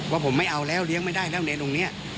ว่าผมไม่เอาแล้วเลี้ยงไม่ได้แล้วเนรตรงนี้